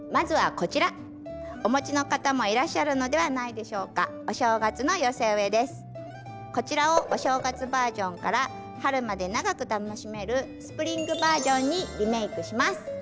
こちらをお正月バージョンから春まで長く楽しめるスプリングバージョンにリメイクします。